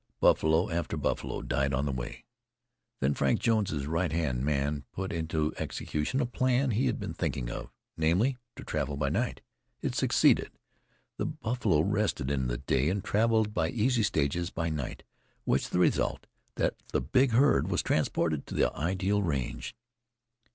Buffalo after buffalo died on the way. Then Frank, Jones's right hand man, put into execution a plan he had been thinking of namely, to travel by night. It succeeded. The buffalo rested in the day and traveled by easy stages by night, with the result that the big herd was transported to the ideal range.